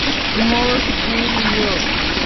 مونږ بیل یو